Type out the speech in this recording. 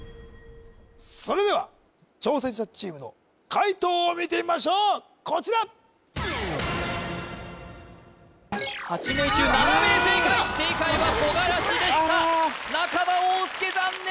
それでは挑戦者チームの解答を見てみましょうこちら８名中７名正解正解はこがらしでした中田旺佑残念！